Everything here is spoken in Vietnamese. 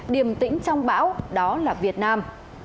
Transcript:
điềm tĩnh trong báo đó là việt nam